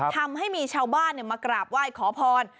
ทำให้มีชาวบ้านมากราบไหว้ขอพร